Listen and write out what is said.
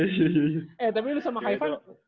eh tapi lu sama high fun